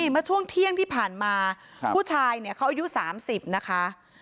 แต่ช่วงเที่ยงที่ผ่านมาผู้ชายเขาอายุ๓๐นะคะ